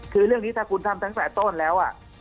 คือเรื่องนี้ถ้าคุณทำตั้งแต่ต้นแล้ว